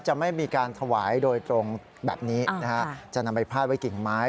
จะไม่มีการถวายโดยตรงแบบนี้นะฮะจะนำไปพาดไว้กิ่งไม้